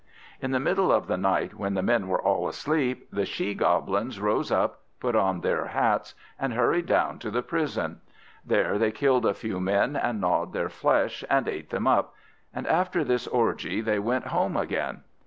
In the middle of the night, when the men were all asleep, the She goblins rose up, put on their hats, and hurried down to the prison; there they killed a few men, and gnawed their flesh, and ate them up; and after this orgie they went home again.